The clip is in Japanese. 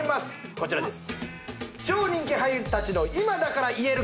こちらです。